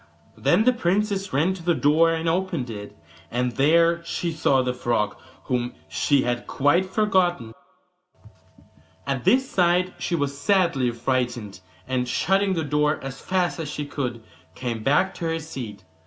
Then the princess ran to the door and opened it, and there she saw the frog, whom she had quite forgotten. At this sight she was sadly frightened, and shutting the door as fast as she could came back to her seat.